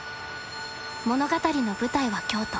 物語の舞台は京都。